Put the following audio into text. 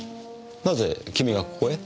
なぜ君がここへ？